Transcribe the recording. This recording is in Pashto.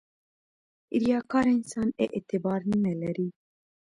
• ریاکار انسان اعتبار نه لري.